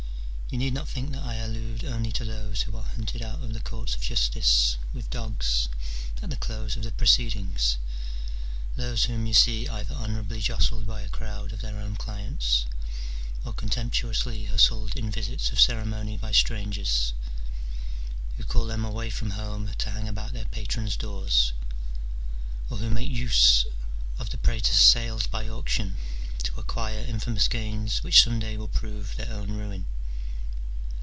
you need not think that I allude only to those who are hunted out of the courts of justice with dogs at the close of the proceedings, those whom you see either honour ably jostled by a crowd of their own clients or contempt uously hustled in visits of ceremony by strangers, who call them away from home to hang about their patron's doors, or who make use of the praetor s sales by auction to acquire infamous gains which some day will prove their own ruin.